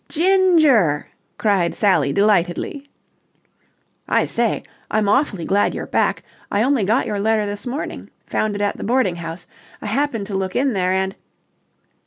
"Ginger!" cried Sally delightedly. "I say, I'm awfully glad you're back. I only got your letter this morning. Found it at the boarding house. I happened to look in there and..."